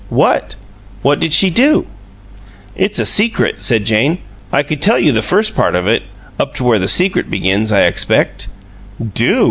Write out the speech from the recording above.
"What? What did she do?" "It's a secret," said Jane. "I could tell you the first part of it up to where the secret begins, I expect." "Do!"